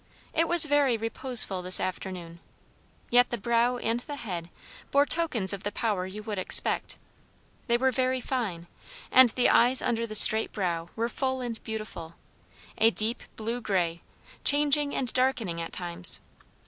It was very reposeful this afternoon. Yet the brow and the head bore tokens of the power you would expect; they were very fine; and the eyes under the straight brow were full and beautiful, a deep blue grey, changing and darkening at times.